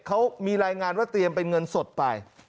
เขามีรายงานว่าเตรียมเป็นเงินสดไป